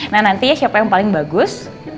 nah nanti ya siapa yang paling bagus